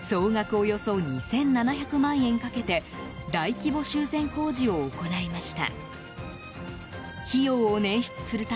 およそ２７００万円かけて大規模修繕工事を行いました。